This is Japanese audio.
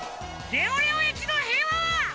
レオレオ駅のへいわは。